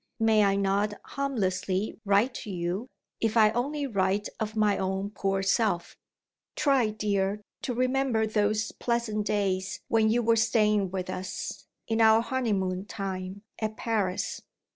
May I not harmlessly write to you, if I only write of my own poor self? Try, dear, to remember those pleasant days when you were staying with us, in our honeymoon time, at Paris.